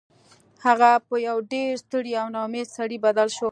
هغه په یو ډیر ستړي او ناامیده سړي بدل شو